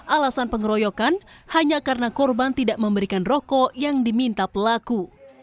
alasan pengeroyokan hanya karena korban tidak memberikan rokok yang diminta pelaku